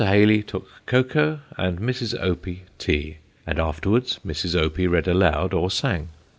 Hayley took cocoa and Mrs. Opie tea, and afterwards Mrs. Opie read aloud or sang.